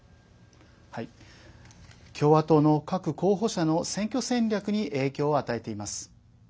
共和党の各候補者の選挙戦略に影響を与えています。